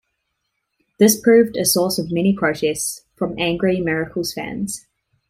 This proved a source of many protests from angry Miracles fans.